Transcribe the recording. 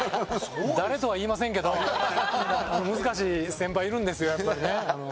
誰とは言いませんけど、難しい先輩いるんですよ、やっぱりね。